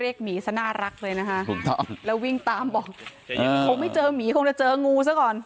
เรียกหมีซะน่ารักเลยนะฮะแล้ววิ่งตามบอกผมไม่เจอหมีคงจะเจองูซะก่อน